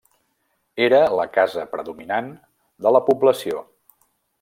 Era la casa predominant de la població.